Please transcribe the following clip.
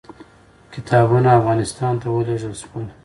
کتابونه افغانستان ته ولېږل شول.